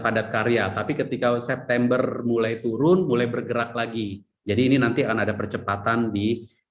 padat karya tapi ketika september mulai turun mulai bergerak lagi jadi ini nanti akan ada percepatan di